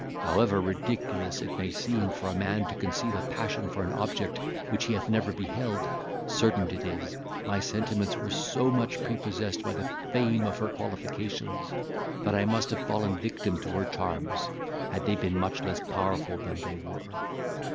However ridiculous it may seem for a man to conceive a passion for an object which he hath never beheld, certain it is, my sentiments were so much prepossessed by the fame of her qualifications, that I must have fallen a victim to her charms, had they been much less powerful than they were.